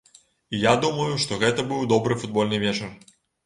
І я думаю, што гэта быў добры футбольны вечар.